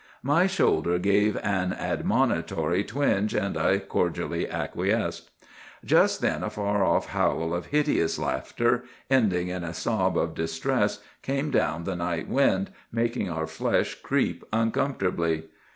"My shoulder gave an admonitory twinge, and I cordially acquiesced. "Just then a far off howl of hideous laughter, ending in a sob of distress, came down the night wind, making our flesh creep uncomfortably.